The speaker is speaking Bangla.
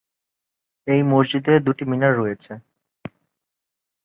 এই মসজিদে দুটি মিনার রয়েছে।